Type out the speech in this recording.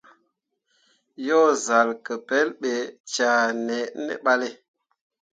Yo zal ke pelɓe cea ne ɓalle.